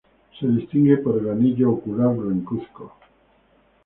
Se distingue por el anillo ocular blancuzco.